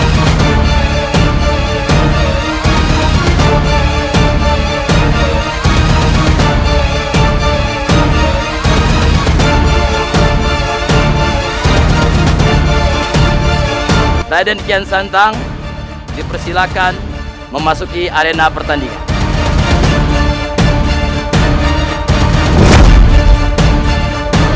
selanjutnya rai dendikian santang dipersilakan memasuki arena pertandingan